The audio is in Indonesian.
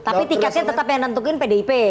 tapi tiketnya tetap yang nentukin pdip